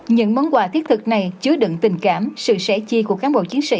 những món quà thiết thực này chứa đựng tình cảm sự sẻ chia của cán bộ chiến sĩ